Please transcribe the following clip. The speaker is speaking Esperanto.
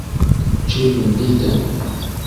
Ĉu vundita?